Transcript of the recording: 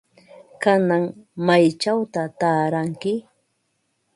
¿Kanan maychawta taaranki?